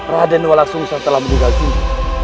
rada nuala sungsang telah meninggal juga